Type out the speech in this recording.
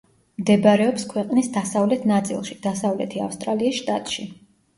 მდებარეობს ქვეყნის დასავლეთ ნაწილში, დასავლეთი ავსტრალიის შტატში.